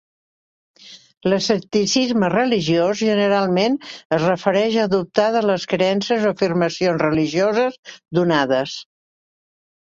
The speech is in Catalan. L'escepticisme religiós generalment es refereix a dubtar de les creences o afirmacions religioses donades.